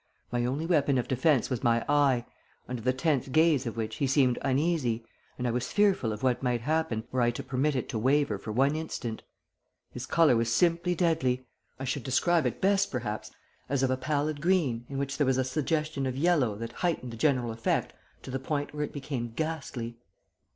My only weapon of defence was my eye, under the tense gaze of which he seemed uneasy, and I was fearful of what might happen were I to permit it to waver for one instant. His colour was simply deadly. I should describe it best, perhaps, as of a pallid green in which there was a suggestion of yellow that heightened the general effect to the point where it became ghastly."